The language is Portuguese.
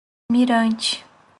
Mirante